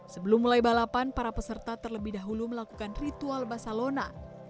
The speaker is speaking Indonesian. sebelum mulai balapan para peserta terlebih dahulu melakukan ritual basalona